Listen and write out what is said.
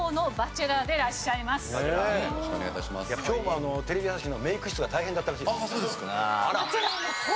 今日もテレビ朝日のメイク室が大変だったらしいです。